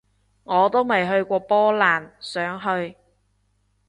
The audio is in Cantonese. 我都未去過波蘭，想去